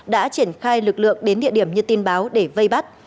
đã triển khai lực lượng đến địa điểm như tin báo để vây bắt